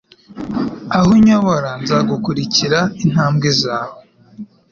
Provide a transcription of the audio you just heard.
Aho unyobora nzakurikira intambwe zawe